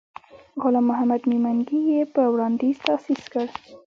غلام محمد میمنګي یې په وړاندیز تأسیس کړ.